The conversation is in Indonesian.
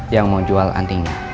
yang mau jual antingnya